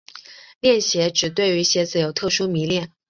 恋鞋指对于鞋子有特殊迷恋。